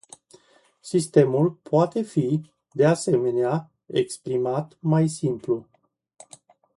Sistemul poate fi, de asemenea, exprimat mai simplu.